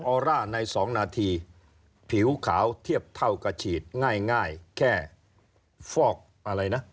อร่าใน๒นาทีผิวขาวเทียบเท่ากับฉีดง่ายแค่ฟอกอะไรนะ